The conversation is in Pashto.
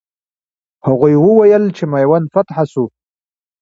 هغوی وویل چې میوند فتح سو.